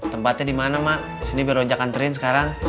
tempatnya di mana ma di sini biar ojek kanterin sekarang